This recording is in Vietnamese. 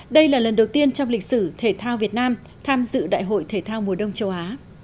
đây là lần đầu tiên trong lịch sử thể thao việt nam tham dự đại hội thể thao mùa đông châu á